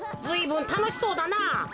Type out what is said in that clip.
ずいぶんたのしそうだな。